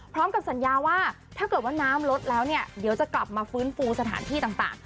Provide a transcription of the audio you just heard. พร้อมกับสัญญาว่าถ้าเกิดว่าน้ำลดแล้วเนี่ยเดี๋ยวจะกลับมาฟื้นฟูสถานที่ต่าง